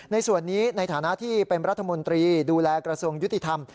ในส่วนนี้ในฐานะที่เป็นรัฐมนตรีดูแลกระทรวงยุติธรรม